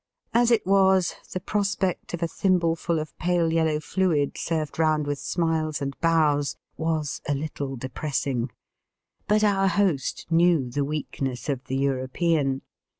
As it was, the prospect of a thimbleful of pale yellow fluid served round with smiles and bows was a little depressing. But our host knew the weakness of the European.